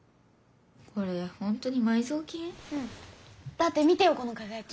だって見てよこのかがやき！